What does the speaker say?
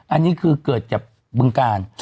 อันนี้คือเกิดจากบึงกาล